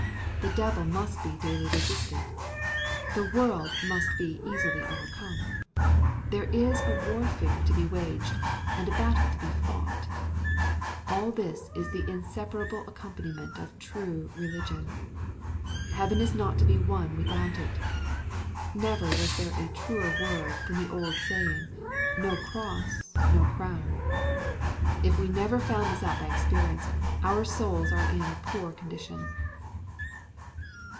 The devil must be daily resisted. The world must be easily overcome. There is a warfare to be waged, and a battle to be fought. All this is the insepa rable accompaniment of true religion. Heaven is not to be won without it. Never was there a truer word than the old saying, " No cross, no crown 1" If we never found this out by experience, our souls are in a poor condition.